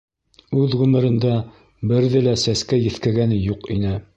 Үҙ ғүмерендә берҙе лә сәскә еҫкәгәне юҡ ине.